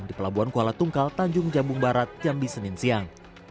di pelabuhan kuala tungkal tanjung jambung barat jambi senin siang